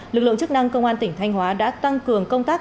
lực lượng chức năng công an tỉnh thanh hóa đã tăng cường công tác